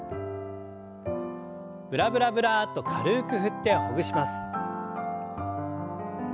ブラブラブラッと軽く振ってほぐします。